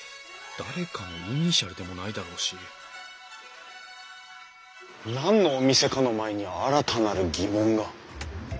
誰かのイニシャルでもないだろうし何のお店かの前に新たなる疑問が。